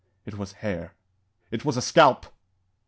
It was hair. It was a scalp!